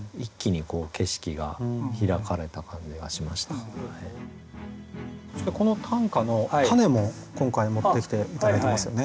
これ割と全部この短歌のたねも今回持ってきて頂いてますよね。